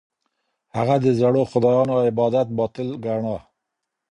هغه د زړو خدایانو عبادت باطل ګاڼه.